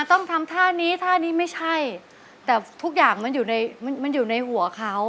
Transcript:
ต้องทำท่านี้ท่านี้ไม่ใช่แต่ทุกอย่างมันอยู่ในมันอยู่ในหัวเขา